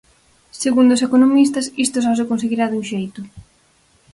Segundo os economistas, isto só se conseguirá dun xeito.